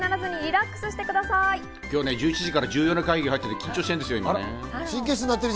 今日１１時から重要な会議が入っていて緊張してるんですよ。